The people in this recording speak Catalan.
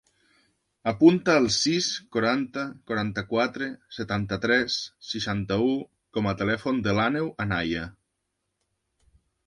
Apunta el sis, quaranta, quaranta-quatre, setanta-tres, seixanta-u com a telèfon de l'Àneu Anaya.